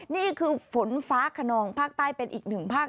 นี่คือฝนฟ้าขนองภาคใต้เป็นอีกหนึ่งภาค